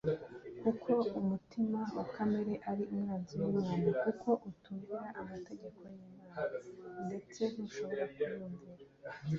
“Kuko umutima wa kamere ari umwanzi w’Imana, kuko utumvira amategeko y’Imana, ndetse ntushobora kuyumvira